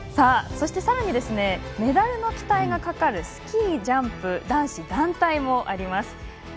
さらにメダルの期待がかかるスキージャンプ男子団体もあります。